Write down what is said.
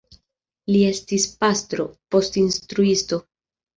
Li estis pastro, poste instruisto.